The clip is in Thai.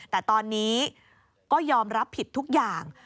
แต่ตอนนี้ก็ยอมรับผิดทุกอย่าง